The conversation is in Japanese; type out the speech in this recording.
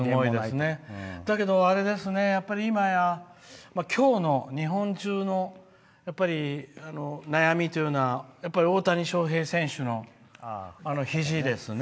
だけど、やっぱり、いまや今日、日本中の悩みっていうのは大谷翔平選手の肘ですね。